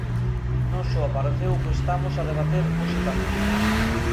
Non só apareceu o que estamos a debater hoxe tamén.